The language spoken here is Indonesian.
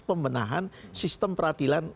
pembenahan sistem peradilan